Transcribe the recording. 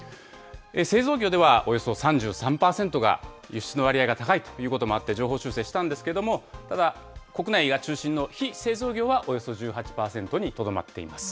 製造業ではおよそ３３％が、輸出の割合が高いということもあって、上方修正したんですけども、ただ、国内が中心の非製造業は、およそ１８％にとどまっています。